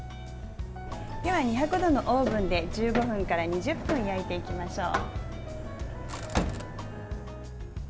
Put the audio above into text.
では、２００度のオーブンで１５分から２０分焼いていきましょう。